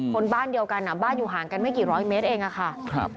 คนบ้านเดียวกันบ้านอยู่ห่างกันไม่กี่ร้อยเมตรเองอะค่ะ